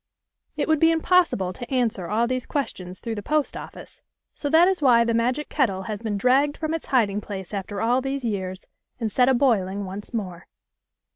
It would be impossible to answer all these ques tions through the post office, so that is why the magic kettle has been dragged from its hiding place after all these years, and set a boiling once more.